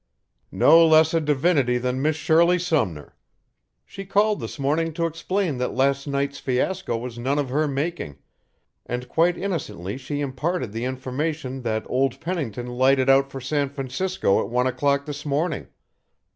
"No less a divinity than Miss Shirley Sumner! She called this morning to explain that last night's fiasco was none of her making, and quite innocently she imparted the information that old Pennington lighted out for San Francisco at one o'clock this morning.